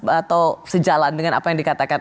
atau sejalan dengan apa yang dikatakan